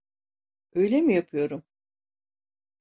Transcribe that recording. Öyle mi yapıyorum?